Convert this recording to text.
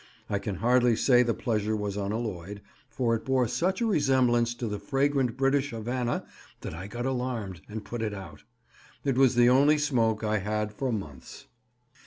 I can hardly say the pleasure was unalloyed, for it bore such a resemblance to the fragrant British Havanna that I got alarmed, and put it out. It was the only smoke I had for months.